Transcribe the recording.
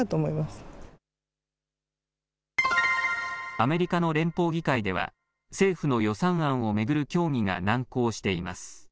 アメリカの連邦議会では政府の予算案を巡る協議が難航しています。